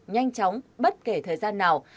nhanh chóng bất kể thời gian nào